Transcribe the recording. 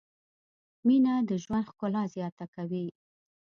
مینه د ژوند ښکلا زیاته کوي.